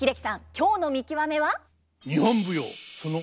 今日の見きわめは？